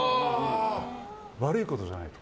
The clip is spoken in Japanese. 悪いことじゃない。